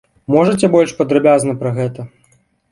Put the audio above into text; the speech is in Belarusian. Можаце больш падрабязна пра гэта?